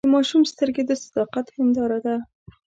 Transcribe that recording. د ماشوم سترګې د صداقت هنداره ده.